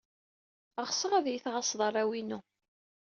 Ɣseɣ ad iyi-tɛassed arraw-inu.